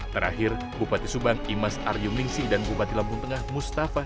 terakhir bupati subang imas aryum ningsi dan bupati lampung tengah mustafa